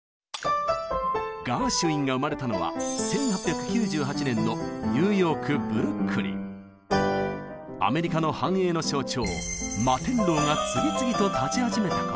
ガーシュウィンが生まれたのは１８９８年のアメリカの繁栄の象徴摩天楼が次々と建ち始めた頃。